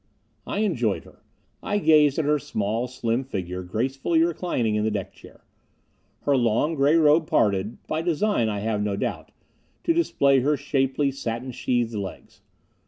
I enjoyed her. I gazed at her small, slim figure gracefully reclining in the deck chair. Her long, gray robe parted by design, I have no doubt to display her shapely, satin sheathed legs.